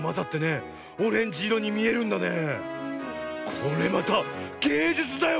これまたげいじゅつだよ